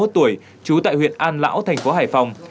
ba mươi một tuổi trú tại huyện an lão thành phố hải phòng